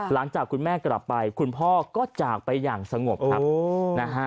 หลังจากคุณแม่กลับไปคุณพ่อก็จากไปอย่างสงบครับนะฮะ